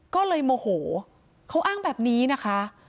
ก็เลยโมโหเขาอ้างแบบนี้นะคะ